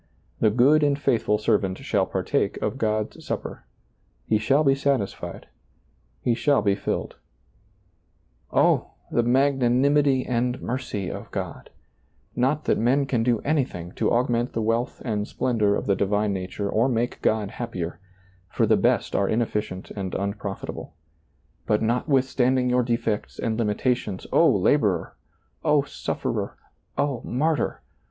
The good and faithful servant shall partake of God's supper; he shall be satisfied ; he shall be filled Oh I the magnanimity and mercy of God, Not that men can do anything to augment the wealth and splendor of the divine nature or make God happier, for the best are inefficient and unprofitable. But notwithstanding your defects and limitations, O laborer ! O sufferer ! O martyr